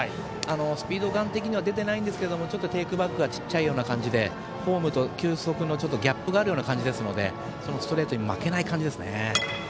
スピードガン的には出ていないんですけどもテークバックが小さい感じでフォームと球速のギャップがあるような感じなのでストレートに負けない感じですね。